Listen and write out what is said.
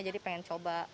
jadi pengen coba